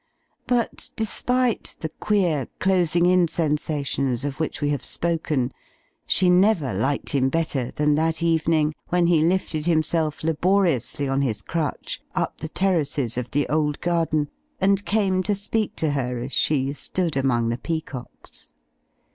But, despite the queer closing in sensations of which we have spoken, she never liked him better than that evening when he lifted himself laboriously on his crutch up the terraces of the old garden and came to speak to her as she stood among the peacocks.